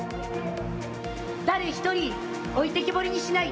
誰一人、置いてきぼりにしない。